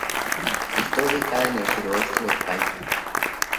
Está ubicada en el suroeste del país.